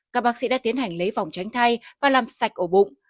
các bác sĩ đã tiến hành lấy phòng tránh thai và làm sạch ổ bụng